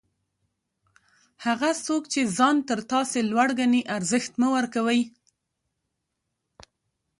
هغه څوک چي ځان تر تاسي لوړ ګڼي؛ ارزښت مه ورکوئ!